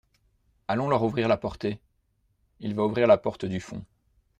Allons leur ouvrir la porté. il va ouvrir la porte du fond.